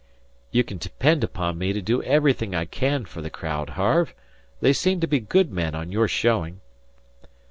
"You can depend upon me to do everything I can for the crowd, Harve. They seem to be good men on your showing."